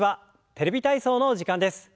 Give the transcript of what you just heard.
「テレビ体操」の時間です。